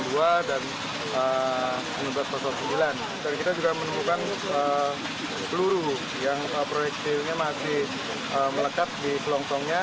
dan kita juga menemukan peluru yang proyektilnya masih melekat di selongsongnya